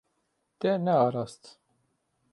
Te nearast.